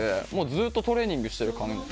ずっとトレーニングしてる感じで。